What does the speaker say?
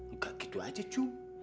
nggak gitu aja jum